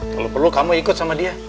kalau perlu kamu ikut sama dia